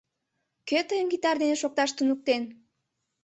— Кӧ тыйым гитар дене шокташ туныктен?